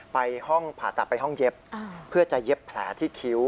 ไปห้องผ่าตัดไปห้องเย็บเพื่อจะเย็บแผลที่คิ้ว